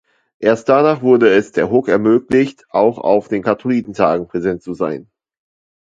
Erst danach wurde es der HuK ermöglicht, auch auf den Katholikentagen präsent zu sein.